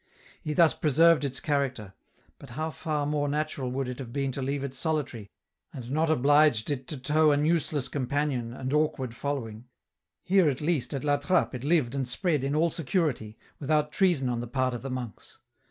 He thus preserved its character, but how far more natural would it have been to leave it solitary and not obliged it to tow an useless companion and awkward following ? Here at least at La Trappe it lived and spread in all security, without treason on the part of the monks.